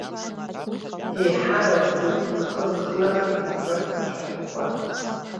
Еиҳарак џьоук рхы рыхнахит абарҭ ацәаҳәақәа.